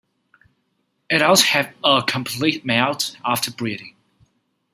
Adults have a complete moult after breeding.